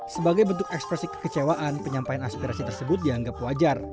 sebagai bentuk ekspresi kekecewaan penyampaian aspirasi tersebut dianggap wajar